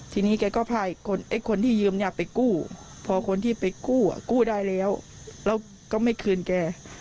ทีนี้แกก็พาไอ้คนที่ยืมเนี่ยไปกู้พอคนที่ไปกู้กู้ได้แล้วแล้วก็ไม่คืนแก